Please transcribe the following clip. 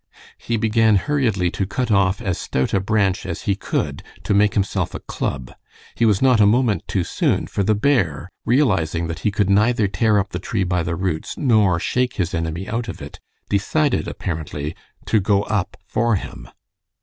He began hurriedly to cut off as stout a branch as he could to make himself a club. He was not a moment too soon, for the bear, realizing that he could neither tear up the tree by the roots nor shake his enemy out of it, decided, apparently, to go up for him.